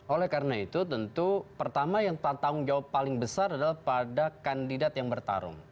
oleh karena itu tentu pertama yang tanggung jawab paling besar adalah pada kandidat yang bertarung